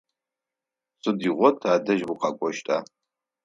Сыдигъо тадэжь укъэкӏощта?